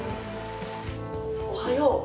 おはよう。